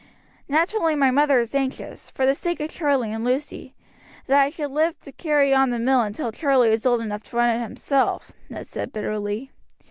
"Naturally my mother is anxious, for the sake of Charlie and Lucy, that I should live to carry on the mill until Charlie is old enough to run it himself," Ned said bitterly.